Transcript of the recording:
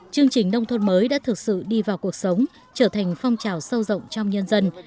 chương trình nông thôn mới đã thực sự đi vào cuộc sống trở thành phong trào sâu rộng trong nhân dân